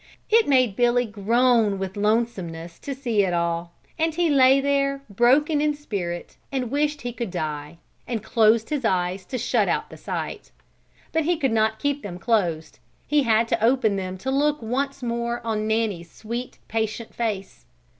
It made Billy groan with lonesomeness to see it all, and he lay there broken in spirit and wished he could die, and closed his eyes to shut out the sight. But he could not keep them closed. He had to open them to look once more on Nanny's sweet, patient face.